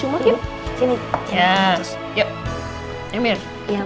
yuk yuk mir